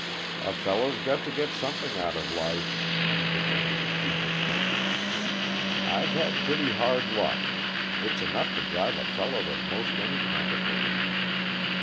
"A fellow's got to get something out of life," he defended peevishly. "I've had pretty hard luck it's enough to drive a fellow to most any kind of relief.